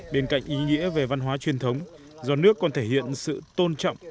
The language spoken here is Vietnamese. bên cạnh ý nghĩa về văn hóa truyền thống giọt nước còn thể hiện sự tôn trọng